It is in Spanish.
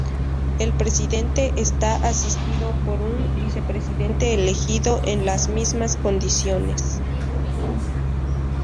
El presidente está asistido por un vicepresidente elegido en las mismas condiciones.